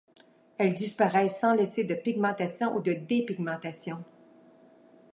Elles disparaissent sans laisser de pigmentation ou de dépigmentation.